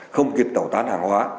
không kịp tẩu tán hàng hóa